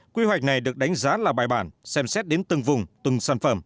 quy hoạch này được đánh giá là bài bản xem xét đến từng vùng từng sản phẩm